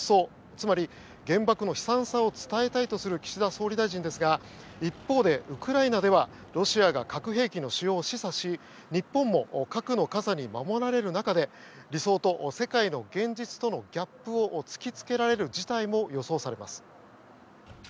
つまり、原爆の悲惨さを伝えたいとする岸田総理大臣ですが一方で、ウクライナではロシアが核兵器の使用を示唆し日本も核の傘に守られる中で理想と世界の現実とのギャップを突きつけられる事態も予想されます。